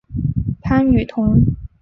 潘雨桐。